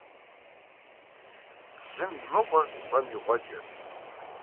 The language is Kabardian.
Жьым и мыгъуэщ, щӀэм и гъуэджэщ.